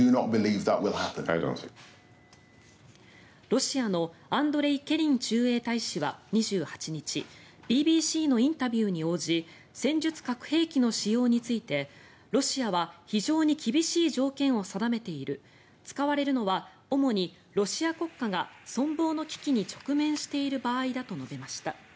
ロシアのアンドレイ・ケリン駐英大使は２８日ＢＢＣのインタビューに応じ戦術核兵器の使用についてロシアは非常に厳しい条件を定めている使われるのは主にロシア国家が存亡の危機に直面している場合だと述べました。